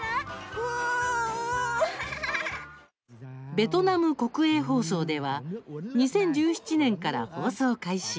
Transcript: ベトナム国営放送では２０１７年から放送開始。